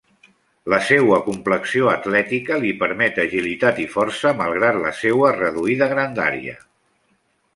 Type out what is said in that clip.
La seua complexió atlètica li permet agilitat i força malgrat la seua reduïda grandària.